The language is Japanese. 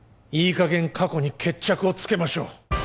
かげん過去に決着をつけましょう